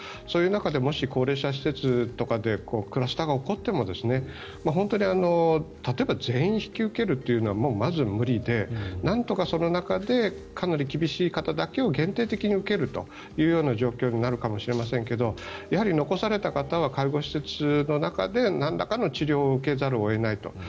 そういう中でもし高齢者施設とかでクラスターが起こっても例えば全員引き受けるというのはもうまず無理でなんとかその中でかなり厳しい方だけを限定的に受けるという状況になるかもしれませんけどやはり残された方は介護施設の中でなんらかの治療を受けざるを得ないと。